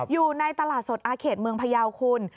อยู่ในตลาดสดอาเขตเมืองพยาวคุณ